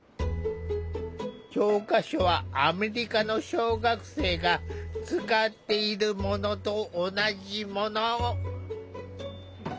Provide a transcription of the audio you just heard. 教科書はアメリカの小学生が使っているものと同じもの。